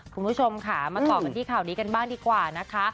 คุณผู้ชมค่ะมาต่อกันที่ข่าวนี้กันบ้างดีกว่านะคะ